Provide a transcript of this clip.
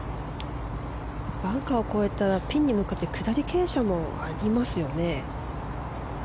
バンカーを越えたらピンに向かって下り傾斜もありますよね。